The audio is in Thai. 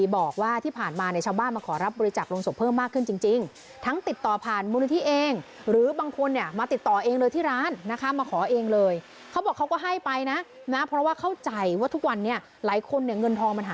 บอกว่าที่ผ่านมาชาวบ้านมาขอรับบริจาคโรงศพเพิ่มมากขึ้นจริง